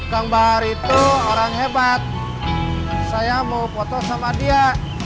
gambar itu orang hebat saya mau foto sama dia